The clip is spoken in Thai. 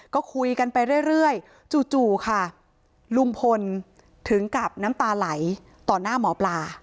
ก็คุยกันไปเรื่อยจู่ค่ะลุงพลถึงกับน้ำตาไหลต่อหน้าหมอปลา